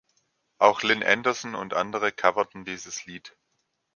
Auch Lynn Anderson und andere coverten dieses Lied.